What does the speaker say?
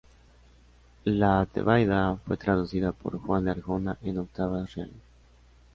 La "Tebaida" fue traducida por Juan de Arjona en octavas reales.